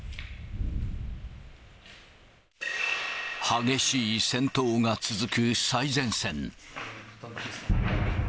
激しい戦闘が続く最前線。